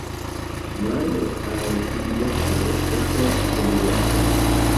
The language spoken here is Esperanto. Male al subjekto estas objekto.